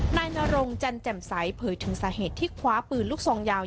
นายนรงจันแจ่มใสเผยถึงสาเหตุที่คว้าปืนลูกซองยาว